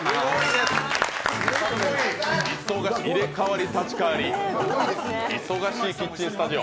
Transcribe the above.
忙しい、入れ替わり立ち替わり、忙しいキッチンスタジオ。